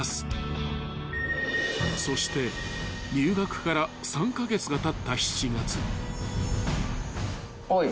［そして入学から３カ月がたった］おい。